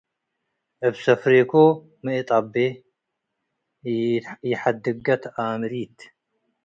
እብ ሰፍሬኮ ሚ እጠቤ - ኢሐድጋ ተኣመሪት